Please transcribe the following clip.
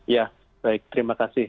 ya baik terima kasih